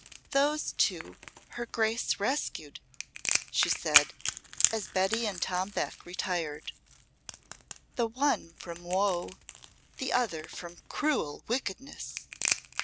"Those two her Grace rescued," she said, as Betty and Tom Beck retired; "the one from woe, the other from cruel wickedness.